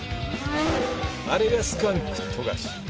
あれがスカンク富樫。